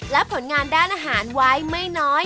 และผลงานด้านอาหารไว้ไม่น้อย